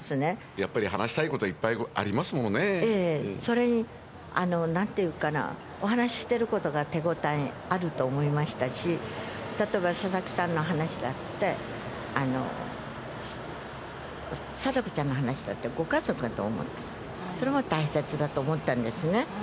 やっぱり話したいことは、それに、なんていうかな、お話してることが手応えあると思いましたし、例えば佐々木さんの話だって、禎子ちゃんの話だってご家族、それも大切だと思ったんですね。